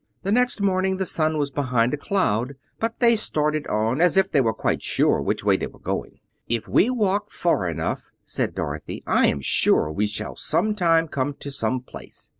The next morning the sun was behind a cloud, but they started on, as if they were quite sure which way they were going. "If we walk far enough," said Dorothy, "I am sure we shall sometime come to some place."